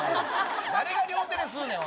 誰が両手で吸うねん。